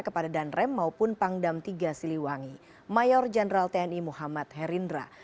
kepada danrem maupun pangdam tiga siliwangi mayor jenderal tni muhammad herindra